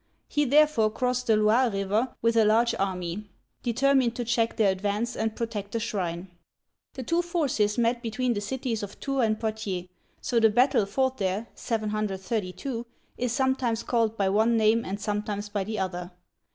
He therefore crossed the Loire River with a large army, determined to check their advance and protect the shrine. The two forces met between the cities of Tours and Poitiers, so the battle fought there (732) is sometimes called by one name and sometimes by the other.